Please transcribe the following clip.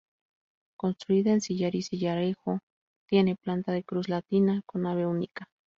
Construida en sillar y sillarejo, tiene planta de cruz latina, con nave única.